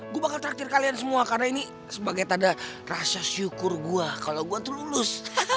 gue bakal terakhir kalian semua karena ini sebagai tanda rasa syukur gue kalau gue tuh lulus